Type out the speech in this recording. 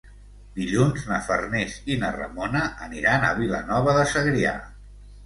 Dilluns na Farners i na Ramona aniran a Vilanova de Segrià.